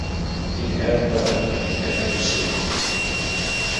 Ideal para la práctica de buceo.